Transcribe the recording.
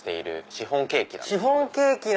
シフォンケーキなんだ。